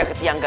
aku tak bisa